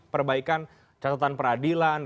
perbaikan catatan peradilan